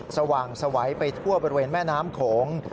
สว่างสวัยไปทั่วบริเวณแม่น้ำโขง